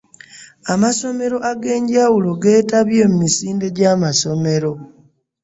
Amasomero ag'enjawulo geetabye mu misinde gy'amasomero.